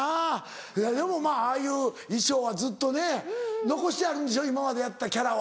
いやでもまぁああいう衣装はずっとね残してあるんでしょ今までやったキャラは。